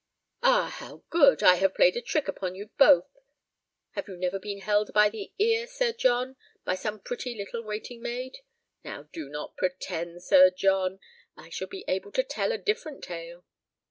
"Ah, how good! I have played a trick upon you both. Have you never been held by the ear, Sir John, by some pretty little waiting maid? Now do not pretend, Sir John; I shall be able to tell a different tale."